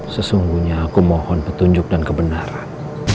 sesungguhnya aku mohon petunjuk dan kebenaran